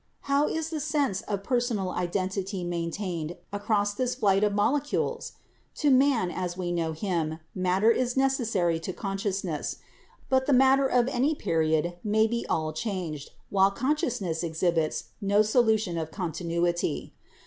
How is the sense of personal identity maintained across this flight of molecules ? To man, as we know him, matter is necessary to consciousness ; but the matter of any period may be all changed, while consciousness exhibits no solution of continuity.